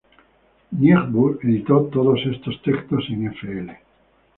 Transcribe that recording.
Niebuhr editó todos estos textos en "Fl.